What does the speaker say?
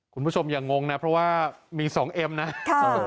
คุณผู้ชมอย่างงงนะเพราะว่ามี๒เอ็มนะ